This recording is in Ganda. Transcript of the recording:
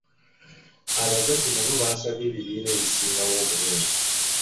Abazadde nabo baasabye ebibiina ebisingawo obulungi.